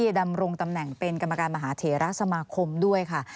ดำรงตำแหน่งเป็นกรรมการมหาเถระสมาคมด้วยค่ะ